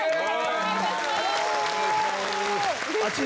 お願い致します！